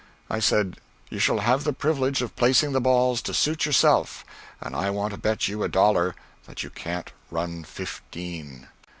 I said "You shall hove the privilege of placing the balls to suit yourself, and I want to bet you a dollar that you can't run fifteen."